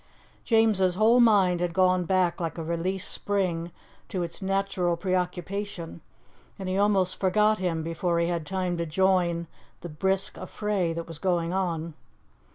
James's whole mind had gone back like a released spring to its natural preoccupation, and he almost forgot him before he had time to join the brisk affray that was going on.